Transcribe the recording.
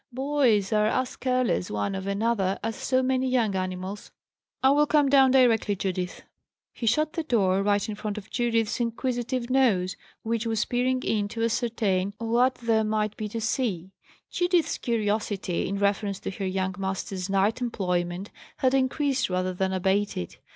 Boys are as careless one of another as so many young animals." "I will come down directly, Judith." He shut the door, right in front of Judith's inquisitive nose, which was peering in to ascertain what there might be to see. Judith's curiosity, in reference to her young master's night employment, had increased rather than abated.